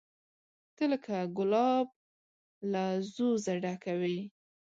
ته لکه ګلاب له ځوزه ډکه وې